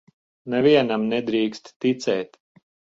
Nevienam nedrīkst ticēt.